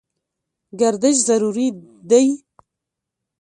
ګردش ضروري دی.